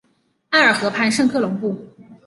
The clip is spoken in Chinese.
埃尔河畔圣科隆布。